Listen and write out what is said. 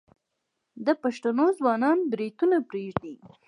د پښتنو ځوانان بروتونه پریږدي.